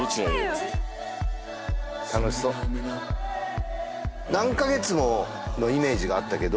楽しそう何カ月ものイメージがあったけど